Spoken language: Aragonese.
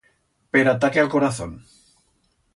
Per ataque a'l corazón.